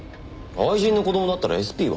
愛人の子供だったらＳＰは？